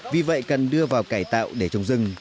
vì vậy cần đưa vào cải tạo để trồng rừng